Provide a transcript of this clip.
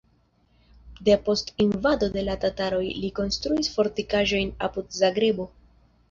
Depost invado de la tataroj li konstruis fortikaĵon apud Zagrebo.